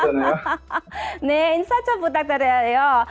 silahkan berkata kata nama saya